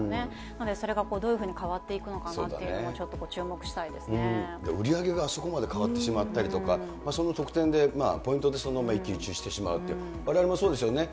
なのでそれがどういうふうに変わっていくのかなっていうのが、売り上げがあそこまで変わってしまったりとか、その得点で、ポイントで一喜一憂してしまうという、われわれもそうですよね。